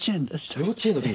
幼稚園の時。